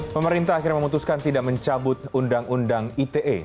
pemerintah akhirnya memutuskan tidak mencabut undang undang ite